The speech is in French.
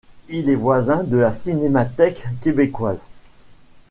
Il est voisin de la Cinémathèque québécoise.